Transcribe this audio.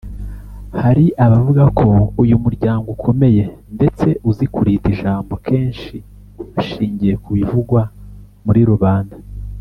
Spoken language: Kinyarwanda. Hari abavuga ko uyu muryango ukomeye ndetse uzi kurinda ijambo kenshi bashingiye kubivugwa muri rubanda